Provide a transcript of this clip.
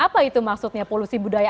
apa itu maksudnya polusi budaya